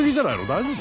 大丈夫？